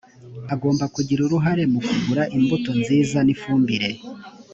agomba kugira uruhare mu kugura imbuto nziza n ifumbire